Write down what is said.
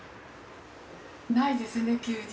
ないですね休日。